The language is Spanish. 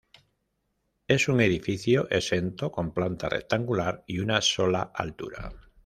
Es un edificio exento con planta rectangular y una sola altura.